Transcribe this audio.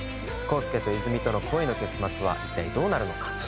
康介と和泉との恋の結末は一体どうなるのか？